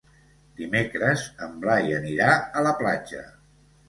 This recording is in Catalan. Dimecres en Blai anirà a la platja.